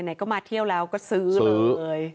ไหนก็มาเที่ยวแล้วก็ซื้อเลย